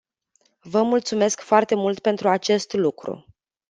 Vă mulțumesc foarte mult pentru acest lucru.